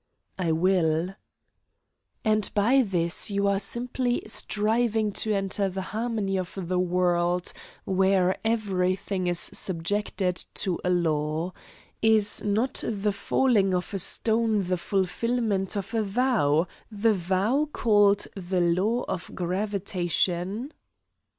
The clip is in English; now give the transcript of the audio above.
"I will." "And by this you are simply striving to enter the harmony of the world, where everything is subjected to a law. Is not the falling of a stone the fulfilment of a vow, of the vow called the law of gravitation?"